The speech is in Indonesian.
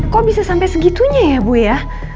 kok bisa sampai segitunya ya bu ya